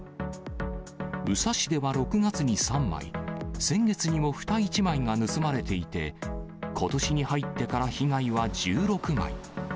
宇佐市では６月に３枚、先月にもふた１枚が盗まれていて、ことしに入ってから被害は１６枚。